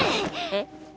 えっ？